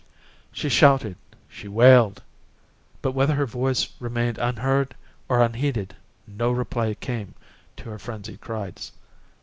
She shouted, she wailed; but whether her voice remained unheard or unheeded, no reply came to her frenzied cries.